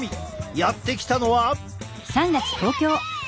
やって来たのは。